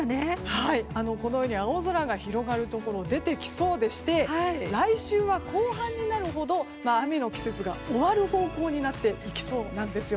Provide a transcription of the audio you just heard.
青空が広がるところが出てきそうでして来週は後半になるほど雨の季節が終わる方向になっていきそうなんですよ。